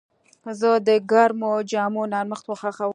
زه د ګرمو جامو نرمښت خوښوم.